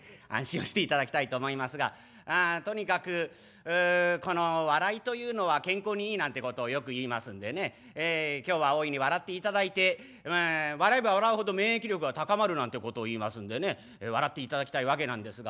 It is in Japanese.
とにかくこの笑いというのは健康にいいなんてことをよくいいますんでね今日は大いに笑っていただいて笑えば笑うほど免疫力は高まるなんてことをいいますんでね笑っていただきたいわけなんですが。